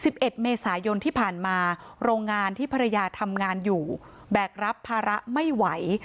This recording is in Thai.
เอ็ดเมษายนที่ผ่านมาโรงงานที่ภรรยาทำงานอยู่แบกรับภาระไม่ไหว